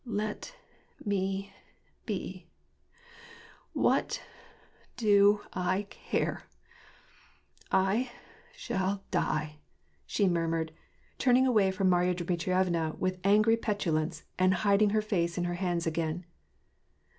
" Let — me — be !— What — do — I — care ?— I — shall die !" she murmured, turning away from Marya Dmitrievna with angry petulance, and hiding her face in her hands again.